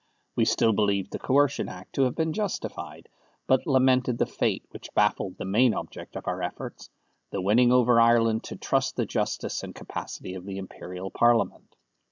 We still believed the Coercion Act to have been justified, but lamented the fate which baffled the main object of our efforts, the winning over Ireland to trust the justice and the capacity of the Imperial Parliament.